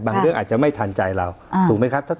เรื่องอาจจะไม่ทันใจเราถูกไหมครับ